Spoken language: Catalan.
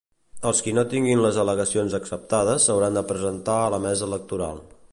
Els qui no tinguin les al·legacions acceptades s'hauran de presentar a la mesa electoral.